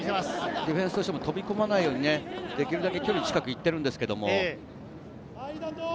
ディフェンスとしても飛び込まないように、できるだけ近くに行ってるんですけれども。